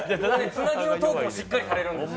つなぎのトークもしっかりはれるんですよ。